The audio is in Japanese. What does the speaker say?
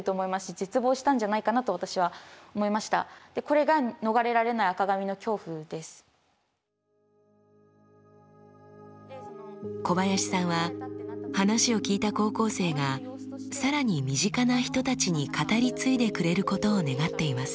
小林さんが心掛けているのはきっとすごく小林さんは話を聞いた高校生が更に身近な人たちに語り継いでくれることを願っています。